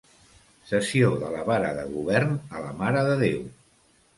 Cessió de la Vara de Govern a la Mare de Déu.